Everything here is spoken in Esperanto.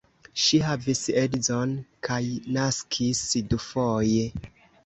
Ŝi havis edzon kaj naskis dufoje.